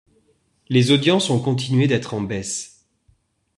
Les audiences ont continué d'être en baisse.